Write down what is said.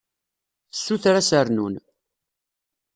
Tessuter ad as-rnun.